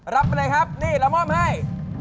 รับไปเลยครับนี่เรามอบให้